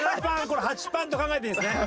これ８パンと考えていいですね。